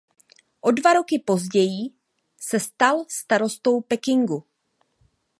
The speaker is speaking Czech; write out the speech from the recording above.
O dva roky později se stal starostou Pekingu.